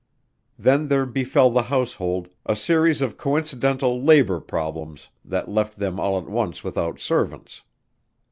Then there befell the household a series of coincidental labor problems that left them all at once without servants.